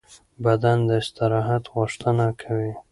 بدن د استراحت غوښتنه کوي.